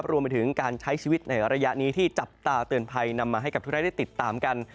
รวมไปถึงการใช้ชีวิตในระยะนี้ที่จับตาเตือนภัยนำมาให้กับทุกรายได้ได้ติดตามกัน